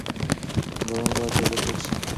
ګلان باید اوبه کړل شي.